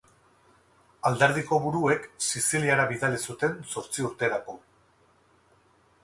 Alderdiko buruek Siziliara bidali zuten zortzi urterako.